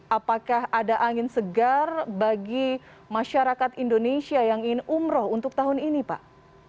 apakah ada angin segar bagi masyarakat indonesia yang ingin umroh untuk tahun ini pak